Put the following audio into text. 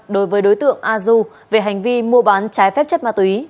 đối với đối tượng adu về hành vi mua bán trái phép chất ma túy